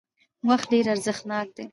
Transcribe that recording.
وخت ډېر ارزښتناک دی